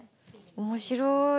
面白い。